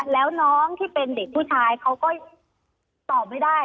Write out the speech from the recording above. แล้วน้องที่เป็นเด็กผู้ชายเขาก็ตอบไม่ได้